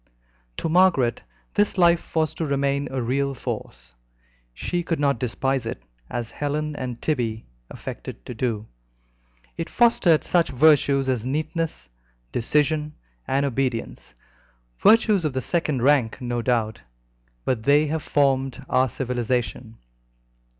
To Margaret this life was to remain a real force. She could not despise it, as Helen and Tibby affected to do. It fostered such virtues as neatness, decision, and obedience, virtues of the second rank, no doubt, but they have formed our civilization.